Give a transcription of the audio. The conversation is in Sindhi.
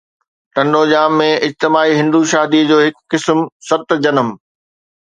ٽنڊوڄام ۾ اجتماعي هندو شادي جو هڪ قسم، ست جنم